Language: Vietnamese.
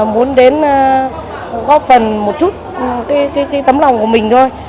muốn đến góp phần một chút cái tấm lòng của mình thôi